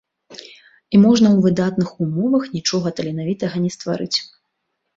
І можна ў выдатных умовах нічога таленавітага не стварыць.